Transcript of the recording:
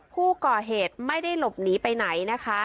ผู้ก่อเหตุไม่ได้หลบหนีไปไหนนะคะ